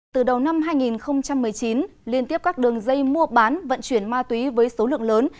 từ đầu năm hai nghìn một mươi chín liên tiếp các đường dây mua bán vận chuyển ma túy với số lượng lớn